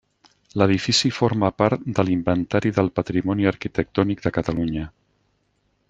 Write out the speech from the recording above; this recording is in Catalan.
L'edifici forma part de l'Inventari del Patrimoni Arquitectònic de Catalunya.